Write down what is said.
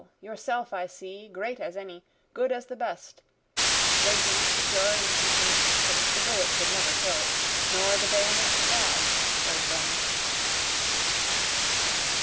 yourself I see, great as any, good as the best, Waiting secure and content, which the bullet could never kill, Nor the bayonet stab O friend.